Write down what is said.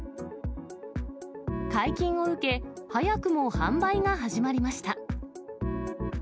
解禁を受け、早くも販売が始まりました。